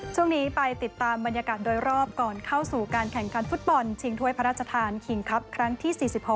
ช่วงนี้ไปติดตามบรรยากาศโดยรอบก่อนเข้าสู่การแข่งขันฟุตบอลชิงถ้วยพระราชทานคิงครับครั้งที่๔๖